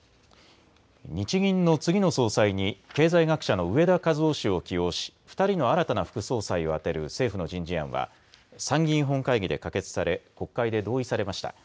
日銀の次の総裁に経済学者の植田和男氏を起用し２人の新たな副総裁を充てる政府の人事案は参議院本会議で可決され国会で同意されました。